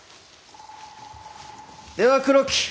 では黒木。